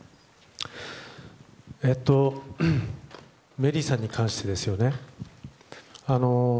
メリーさんに関してですよね。